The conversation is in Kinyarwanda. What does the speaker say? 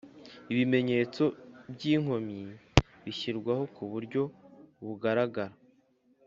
Ibimenyetso by'inkomyi bishyirwaho kuburyo bigaragara